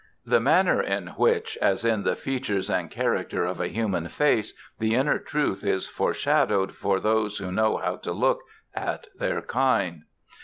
The manner in which, as in the features and character of a human face, the inner truth is foreshadowed for those who know how to look at their kind.